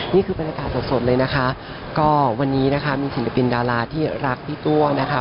นี่คือบรรยากาศสดเลยนะคะก็วันนี้นะคะมีศิลปินดาราที่รักพี่ตัวนะคะ